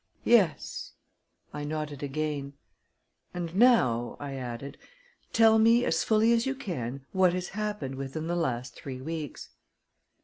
"Yes." I nodded again. "And now," I added, "tell me, as fully as you can, what has happened within the last three weeks."